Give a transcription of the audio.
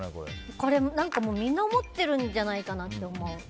これ、みんな思ってるんじゃないかって思う。